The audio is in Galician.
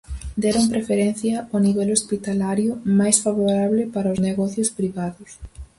Deron preferencia ao nivel hospitalario, máis favorable para os negocios privados.